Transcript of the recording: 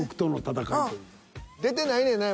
出てないねんな？